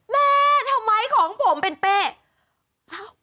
แม่ทำไมของผมเป็นเป้